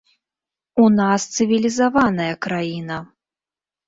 У нас цывілізаваная краіна.